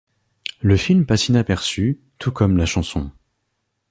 Le film passe inaperçu, tout comme la chanson.